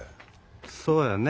そうやんね。